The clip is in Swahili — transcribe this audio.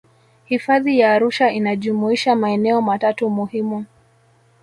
hifadhi ya arusha inajumuisha maeneo matatu muhimu